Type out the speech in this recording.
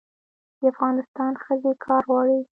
د افغانستان ښځې کار غواړي